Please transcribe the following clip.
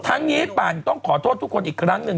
ทั้งนี้ปั่นต้องขอโทษทุกคนอีกครั้งหนึ่ง